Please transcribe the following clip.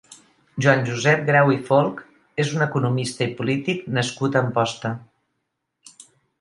Joan Josep Grau i Folch és un economista i polític nascut a Amposta.